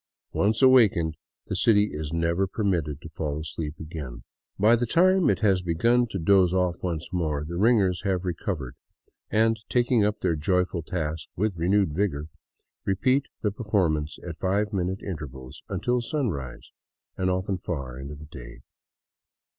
Once awakened, the city is never permitted to fall asleep again. By the time it has begun to doze off once more, the ringers have recovered, and, taking up their joyful task with renewed vigor, repeat the performance at five minute in tervals until sunrise, and often far into the day.